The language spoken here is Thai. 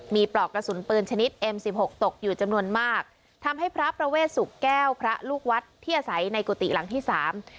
มีปลอกกระสุนปืนชนิดเอ็มสิบหกตกอยู่จำนวนมากทำให้พระประเวทสุขแก้วพระลูกวัดที่อาศัยในกุฏิหลังที่สาม